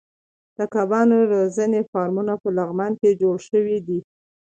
د کبانو روزنې فارمونه په لغمان کې جوړ شوي دي.